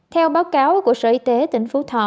theo báo cáo của sở y tế tỉnh phú thọ